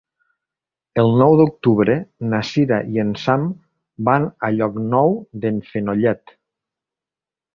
El nou d'octubre na Cira i en Sam van a Llocnou d'en Fenollet.